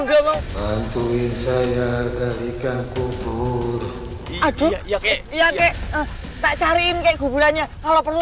ngomong bantuin saya jadikan kubur aduh ya kek tak cariin kek kuburannya kalau perlu